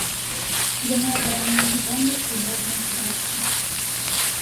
Яны абараняюць гонар і годнасць бацькі.